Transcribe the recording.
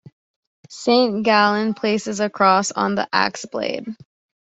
Saint Gallen places a cross on the axe blade.